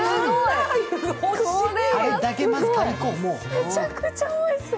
めちゃくちゃおいしそう。